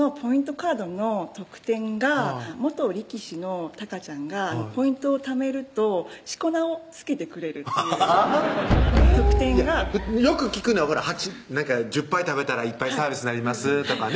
カードの特典が元力士のたかちゃんがポイントをためると四股名を付けてくれるっていう特典がよく聞くのは「１０杯食べたら１杯サービスなります」とかね